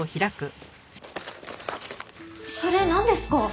それなんですか？